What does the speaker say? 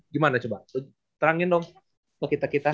gimana coba terangin dong ke kita kita